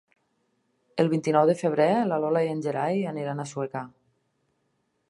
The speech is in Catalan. El vint-i-nou de febrer na Lola i en Gerai aniran a Sueca.